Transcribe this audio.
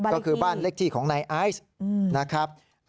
ก็คือบ้านเลขที่ของนายไอซ์นะครับ